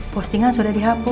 postingan sudah dihapus